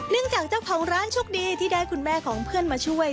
จากเจ้าของร้านโชคดีที่ได้คุณแม่ของเพื่อนมาช่วย